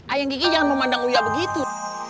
ayang kiki jangan memandang uya begitu